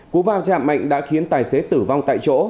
cú va chạm mạnh đã khiến tài xế tử vong tại chỗ